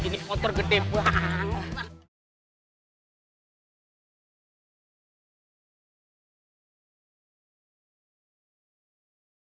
tepuk tangan tepuk tangan